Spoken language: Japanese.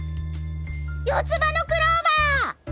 四つ葉のクローバー！